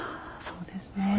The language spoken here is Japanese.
そうですね